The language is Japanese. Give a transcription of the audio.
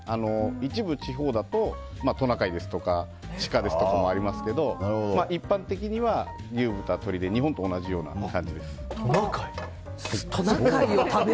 一部地方だとトナカイですとかシカですとかもありますけど一般的には牛、豚、鶏で日本と同じような感じです。